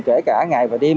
kể cả ngày và đêm